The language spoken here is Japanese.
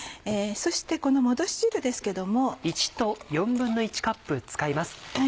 そしてこの戻し汁ですけども。